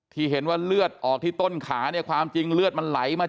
ที่เห็นว่าเลือดออกที่ต้นขาเนี่ยความจริงเลือดมันไหลมา